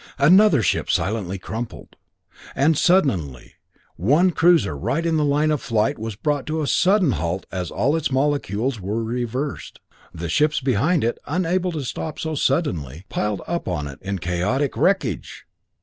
Another ship silently crumpled, and suddenly one cruiser right in the line of the flight was brought to a sudden halt as all its molecules were reversed. The ships behind it, unable to stop so suddenly, piled up on it in chaotic wreckage!